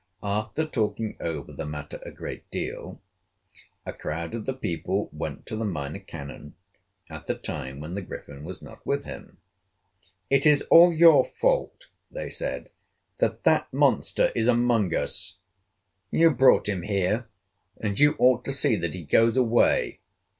After talking over the matter a great deal, a crowd of the people went to the Minor Canon, at a time when the Griffin was not with him. "It is all your fault," they said, "that that monster is among us. You brought him here, and you ought to see that he goes away.